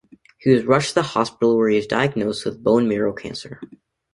He was rushed to the hospital where he was diagnosed with bone marrow cancer.